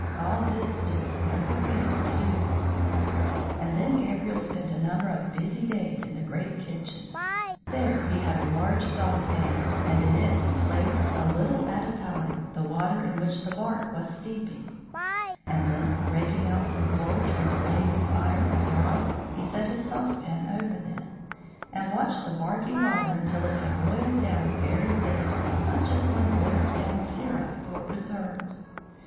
All this took several weeks to do. And then Gabriel spent a number of busy days in the great kitchen. There he had a large saucepan, and in it he placed, a little at a time, the water in which the bark was steeping; and then raking out some coals from the blazing fire of logs, he set his saucepan over them, and watched the barky water until it had boiled down very thick, much as one boils down syrup for preserves.